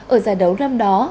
ở giải đấu năm đó